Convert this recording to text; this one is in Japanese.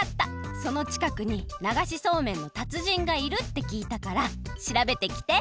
そのちかくにながしそうめんのたつじんがいるってきいたからしらべてきて！